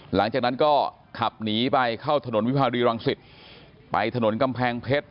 หลังจากนั้นก็ขับหนีไปเข้าถนนวิภารีรังสิตไปถนนกำแพงเพชร